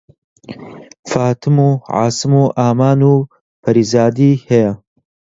فاتم و عاسم و ئامان و پەریزادی هەیە